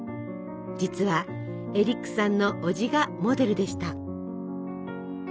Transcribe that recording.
実はエリックさんのおじがモデルでした。